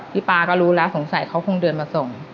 ปลาก็รู้แล้วสงสัยเขาคงเดินมาส่ง